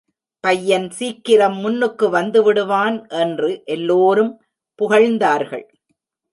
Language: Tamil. பையன் சீக்கிரம் முன்னுக்கு வந்துவிடுவான் என்று எல்லோரும் புகழ்ந்தார்கள்.